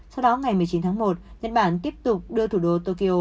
sau đó ngày một mươi chín tháng một nhật bản tiếp tục đưa thủ đô tokyo